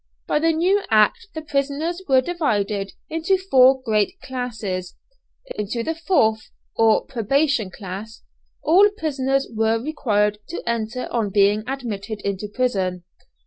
By the new Act the prisoners were divided into four great classes. Into the fourth, or "probation class," all prisoners were required to enter on being admitted into prison.